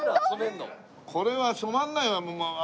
これは染まらないよ。